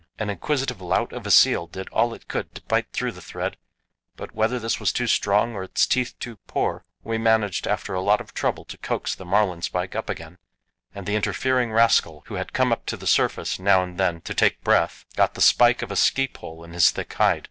An inquisitive lout of a seal did all it could to bite through the thread, but whether this was too strong or its teeth too poor, we managed after a lot of trouble to coax the marlinspike up again, and the interfering rascal, who had to come up to the surface now and then to take breath, got the spike of a ski pole in his thick hide.